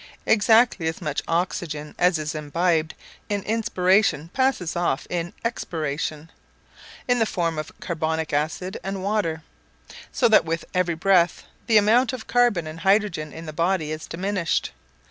Exactly as much oxygen as is imbibed in inspiration passes off in expiration, in the form of carbonic acid and water; so that with every breath the amount of carbon and hydrogen in the body is diminished.